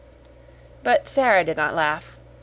But Sara did not laugh.